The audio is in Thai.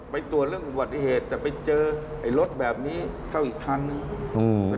ไปตรวจเรื่องอุบัติเหตุจะไปเจอรถแบบนี้เข้าอีกครั้งหนึ่ง